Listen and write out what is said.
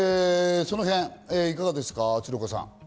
そのへん、いかがですか？